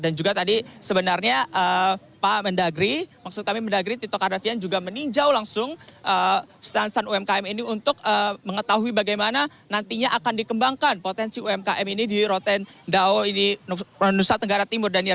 dan juga tadi sebenarnya pak mendagri maksud kami mendagri tito karnavian juga meninjau langsung stand stand umkm ini untuk mengetahui bagaimana nantinya akan dikembangkan potensi umkm ini di rote ndawo nusa tenggara timur daniar